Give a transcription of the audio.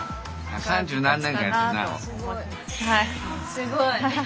すごい。